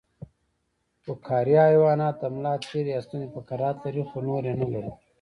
فقاریه حیوانات د ملا تیر یا ستون فقرات لري خو نور یې نلري